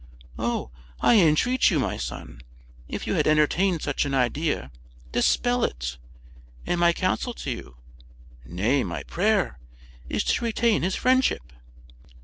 Oh, I entreat you, my son, if you had entertained such an idea, dispel it; and my counsel to you—nay, my prayer—is to retain his friendship."